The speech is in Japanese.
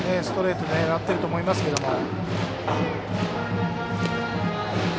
ストレート狙ってると思いますけど。